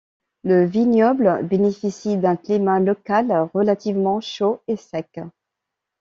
Le vignoble bénéficie d'un climat local relativement chaud et sec.